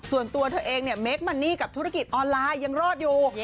ส่วนตัวเธอเองเนี่ยเมคมันนี่กับธุรกิจออนไลน์ยังรอดอยู่